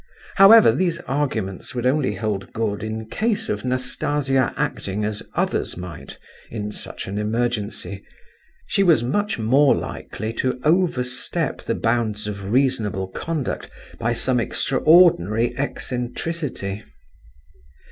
However, these arguments would only hold good in case of Nastasia acting as others might in such an emergency. She was much more likely to overstep the bounds of reasonable conduct by some extraordinary eccentricity.